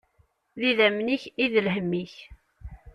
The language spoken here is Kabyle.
D idammen-ik i d lhemm-ik.